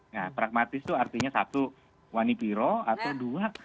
nah pragmatis itu artinya satu wani piro atau dua